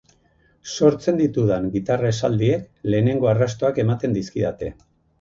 Sortzen ditudan gitarra esaldiek lehenengo arrastoak ematen dizkidate.